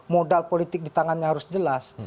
modal politik di tangannya harus jelas